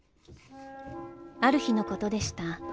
「ある日のことでした。